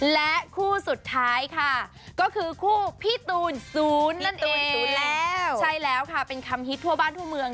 และคู่สุดท้ายค่ะก็คือคู่พี่ตูน๐นั่นเอง๐แล้วใช่แล้วค่ะเป็นคำฮิตทั่วบ้านทั่วเมือง